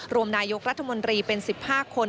รวมนายกรัฐมนตรีเป็น๑๕คน